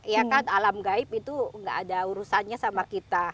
ya kan alam gaib itu nggak ada urusannya sama kita